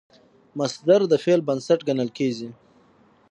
مصدر د فعل بنسټ ګڼل کېږي.